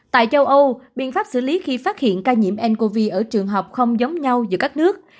tại châu âu biện pháp xử lý khi phát hiện ca nhiễm ncov ở trường học không giống nhau giữa các nước